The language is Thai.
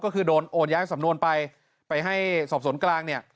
ก็คือโดนโอนย้ายสำนวนไปไปให้สอบสวนกลางเนี่ย